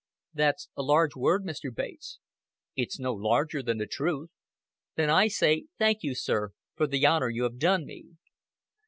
"That's a large word, Mr. Bates." "It's no larger than the truth." "Then I say 'Thank you, sir, for the honor you have done me.'"